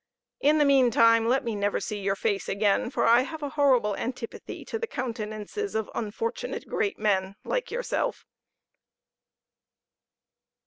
In the meantime, let me never see your face again, for I have a horrible antipathy to the countenances of unfortunate great men like yourself."